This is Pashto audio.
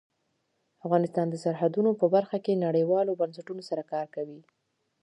افغانستان د سرحدونه په برخه کې نړیوالو بنسټونو سره کار کوي.